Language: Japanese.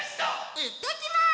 いってきます。